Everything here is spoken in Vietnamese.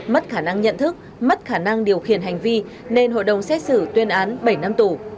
mất khả năng nhận thức mất khả năng điều khiển hành vi nên hội đồng xét xử tuyên án bảy năm tù